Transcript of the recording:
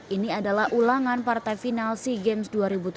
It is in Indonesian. ini adalah ulangan partai final sea games dua ribu tujuh belas